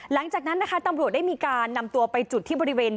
หลังจากนั้นนะคะตำรวจได้มีการนำตัวไปจุดที่บริเวณ